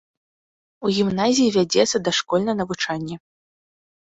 У гімназіі вядзецца дашкольнае навучанне.